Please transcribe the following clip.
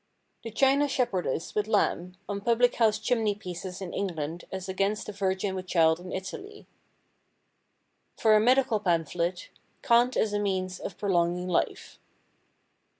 The China Shepherdess with Lamb on public house chimney pieces in England as against the Virgin with Child in Italy. For a Medical pamphlet: Cant as a means of Prolonging Life.